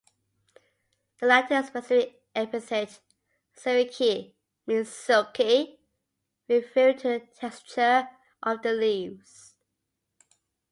The Latin specific epithet "sericea" means "silky", referring to the texture of the leaves.